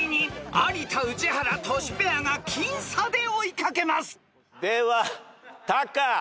［有田宇治原トシペアが僅差で追い掛けます］ではタカ。